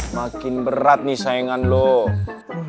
makin berat nih sayangan lu